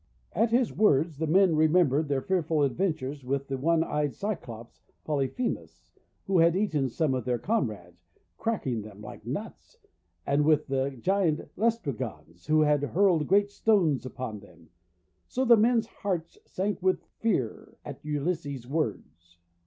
At his words the men remembered their fear ful adventures with the One Eyed Cyclops Polyphemus, who had eaten some of their com rades, cracking them like nuts, and with the giant Laestrigons, who had hurled great stones upon them. So the men's hearts sank with fear at Ulysses' words.